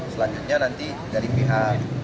selanjutnya nanti dari pihak